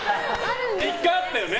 １回あったよね。